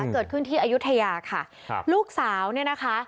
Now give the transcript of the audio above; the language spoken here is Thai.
เกิดขึ้นที่อายุทยาค่ะครับลูกสาวเนี่ยนะคะ